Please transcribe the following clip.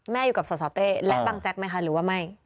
อยู่กับสสเต้และบังแจ๊กไหมคะหรือว่าไม่